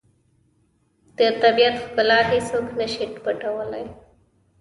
د طبیعت ښکلا هیڅوک نه شي پټولی.